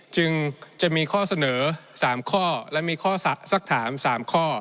จึงจะมีข้อเสนอ๓ข้อและมีข้อสักถาม๓ข้อ